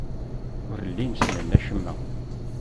Ur llin ssnen acemma.